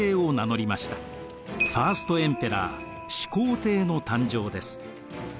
ファーストエンペラー始皇帝の誕生です。